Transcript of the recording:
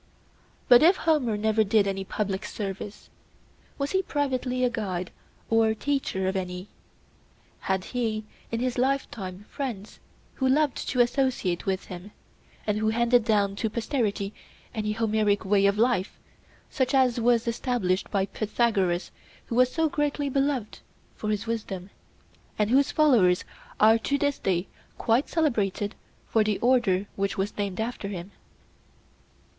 But, if Homer never did any public service, was he privately a guide or teacher of any? Had he in his lifetime friends who loved to associate with him, and who handed down to posterity an Homeric way of life, such as was established by Pythagoras who was so greatly beloved for his wisdom, and whose followers are to this day quite celebrated for the order which was named after him?